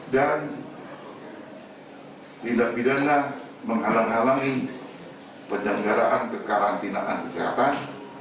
dan pidana menghalang halangi penyelenggaraan kekarantinaan kesehatan